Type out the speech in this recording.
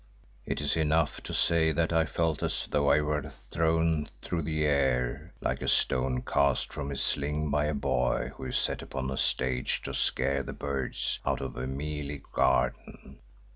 It is enough to say that I felt as though I were thrown through the air like a stone cast from his sling by a boy who is set upon a stage to scare the birds out of a mealie garden.